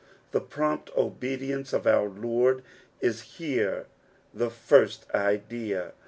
The prompt obedience of our Lord is here the first idea.